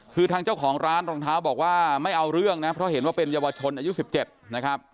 คือทางเจ้าของร้านรองเท้าบอกว่าไม่เอาเรื่องนะเพราะเห็นว่าเป็นเยาวชนอายุ๑๗นะครับ